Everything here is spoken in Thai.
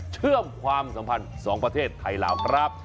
เชื่อมความสัมพันธ์สองประเทศไทยลาวครับ